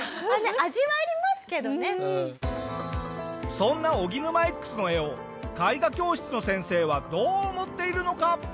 そんなおぎぬまＸの絵を絵画教室の先生はどう思っているのか？